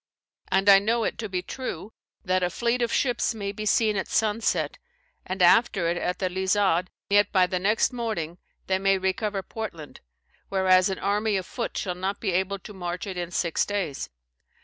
And I know it to be true, that a fleet of ships may be seen at sunset, and after it at the Lizard, yet by the next morning they may recover Portland, whereas an army of foot shall not be able to march it in six dayes.